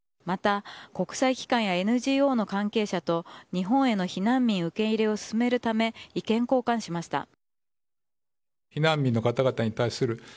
また、国際機関やＮＧＯの関係者と日本への避難民受け入れを進めるため意見交換しました。